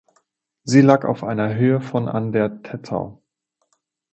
Sie lag auf einer Höhe von an der Tettau.